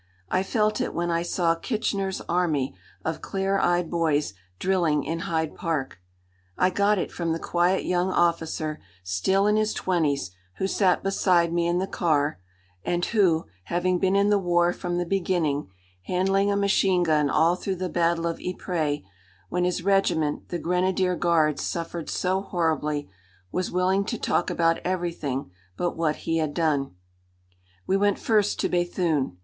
I felt it when I saw Kitchener's army of clear eyed boys drilling in Hyde Park. I got it from the quiet young officer, still in his twenties, who sat beside me in the car, and who, having been in the war from the beginning, handling a machine gun all through the battle of Ypres, when his regiment, the Grenadier Guards, suffered so horribly, was willing to talk about everything but what he had done. We went first to Béthune.